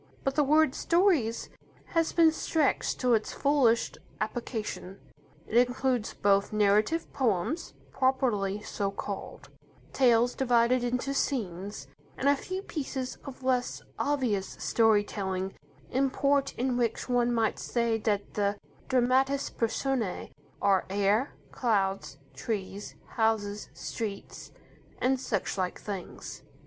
But the word "stories" has been stretched to its fullest application. It includes both narrative poems, properly so called; tales divided into scenes; and a few pieces of less obvious story telling import in which one might say that the dramatis personae are air, clouds, trees, houses, streets, and such like things.